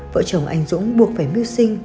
vợ chồng anh dũng buộc phải mưu sinh